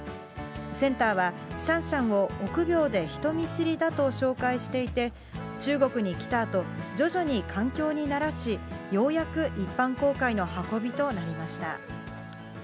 センターは、シャンシャンを臆病で人見知りだと紹介していて、中国に来たあと、徐々に環境に慣らし、ようやく一般公開の運びとなりました。